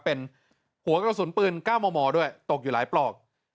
เป็นหัวกระสุนปืน๙มมด้วยตกอยู่หลายปลอก